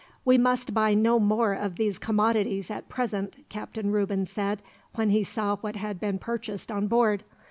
"'We must buy no more of these commodities, at present," Captain Reuben said, when he saw what had been purchased on board.